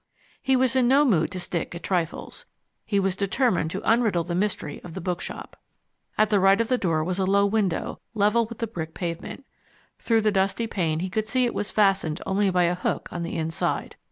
He was in no mood to stick at trifles. He was determined to unriddle the mystery of the bookshop. At the right of the door was a low window, level with the brick pavement. Through the dusty pane he could see it was fastened only by a hook on the inside.